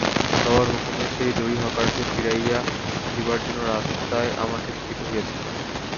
বাবার হুকুমে সেই দড়ি হকারকে ফিরাইয়া দিবার জন্য রাস্তায় আমাকে ছুটিতে হইয়াছিল।